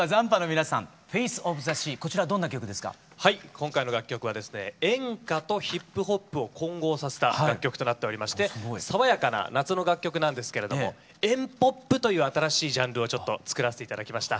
今回の楽曲はですね演歌とヒップホップを混合させた楽曲となっておりまして爽やかな夏の楽曲なんですけれどもＥｎ−ＰＯＰという新しいジャンルをちょっと作らせて頂きました。